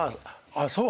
ああそう。